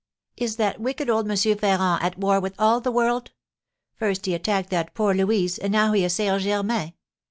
"Is that wicked old M. Ferrand at war with all the world? First he attacked that poor Louise, and now he assails Germain.